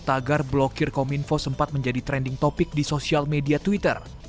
tagar blokir kominfo sempat menjadi trending topic di sosial media twitter